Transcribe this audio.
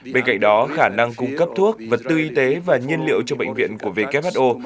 bên cạnh đó khả năng cung cấp thuốc vật tư y tế và nhiên liệu cho bệnh viện của who